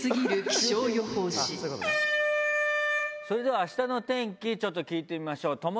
それでは明日の天気ちょっと聞いてみましょう。